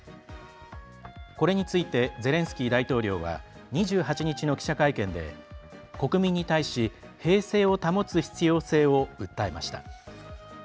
これについてゼレンスキー大統領は２８日の記者会見で国民に対し平静を保つ必要性を訴えました。